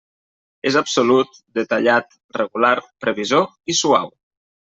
És absolut, detallat, regular, previsor i suau.